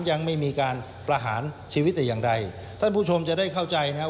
ยังไม่มีการประหารชีวิตแต่อย่างใดท่านผู้ชมจะได้เข้าใจนะครับ